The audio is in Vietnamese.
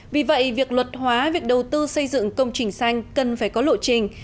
vì vậy việc luật hóa việc đầu tư xây dựng công trình xanh cần phải có lộ trình